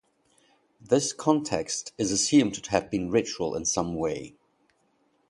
This context is assumed to have been ritual in some way.